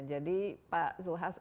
jadi pak zulhas